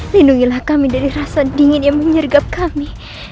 lindungilah kami dari rasa dingin yang menyergap kami